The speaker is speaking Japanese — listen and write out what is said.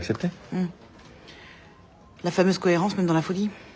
うん。